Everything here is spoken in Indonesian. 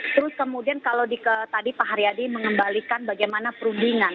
terus kemudian kalau tadi pak haryadi mengembalikan bagaimana perundingan